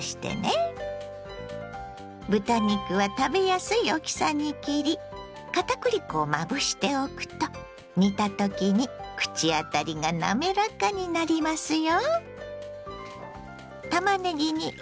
豚肉は食べやすい大きさに切り片栗粉をまぶしておくと煮たときに口当たりがなめらかになりますよ。